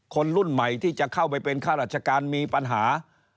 คนรุ่นใหม่ที่จะเข้าไปเป็นข้าราชการมีปัญหา